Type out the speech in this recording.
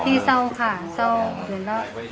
ที่เที่ยวของค่ะเที่ยวเที่ยวเที่ยวเที่ยวเที่ยว